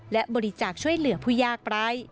และบริจาคช่วยเหลือผู้ยากร้าย